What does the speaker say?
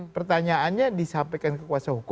pertanyaannya disampaikan ke kuh